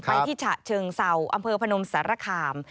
ไปที่ฉะเชิงเศร้าอำเภอพนมสารคาม